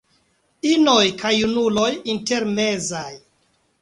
Inoj kaj junuloj intermezaj.